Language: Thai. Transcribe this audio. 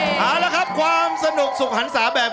ออกออกออกออกออกออกออกออกออก